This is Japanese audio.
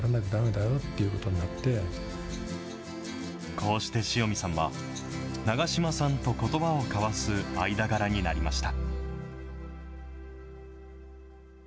こうして塩見さんは、長嶋さんとことばを交わす間柄になりました。